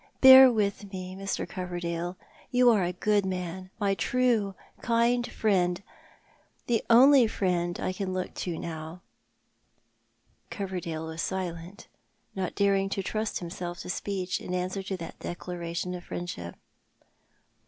Bear with me, Mr. Coverdale. You are a good man, my true, kind friend— the only friend I can look to now." Coverdale was silent, not daring to trust himself to speech in answer to that declaration of friendship.